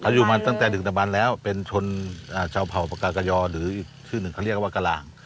อยู่มาตั้งแต่ดึกตะบันแล้วเป็นชนชาวเผ่าปากากยอหรืออีกชื่อหนึ่งเขาเรียกว่ากะลาง